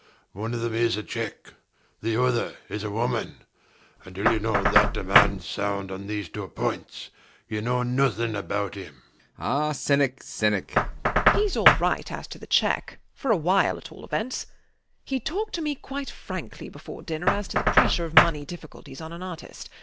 One of them is a cheque. The other is a woman. Until you know that a man's sound on these two points, you know nothing about him. B. B. Ah, cynic, cynic! WALPOLE. He's all right as to the cheque, for a while at all events. He talked to me quite frankly before dinner as to the pressure of money difficulties on an artist.